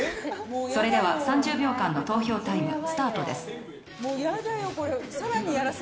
それでは３０秒間の投票タイムスタートです。